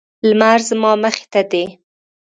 لمر زما مخې ته دی